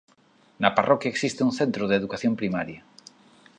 Na parroquia existe un centro de educación primaria.